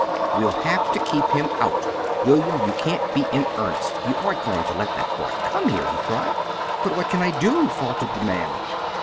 "'We'll have to keep him out'! William, you can't be in earnest! You aren't going to let that boy come here," he cried. "But what can I do?" faltered the man.